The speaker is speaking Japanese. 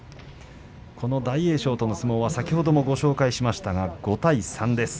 この大栄翔との相撲は先ほどもご紹介しましたが５対３です。